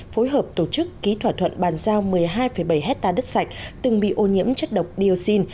phối hợp tổ chức ký thỏa thuận bàn giao một mươi hai bảy hectare đất sạch từng bị ô nhiễm chất độc dioxin